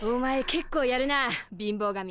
けっこうやるな貧乏神。